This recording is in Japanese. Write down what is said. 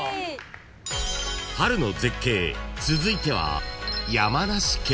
［春の絶景続いては］